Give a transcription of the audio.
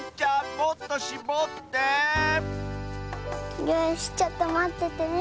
もっとしぼってよしちょっとまっててね。